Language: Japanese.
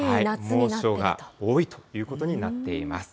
猛暑が多いということになっています。